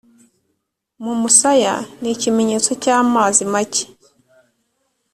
mumusaya ni ikimenyetso cyamazi make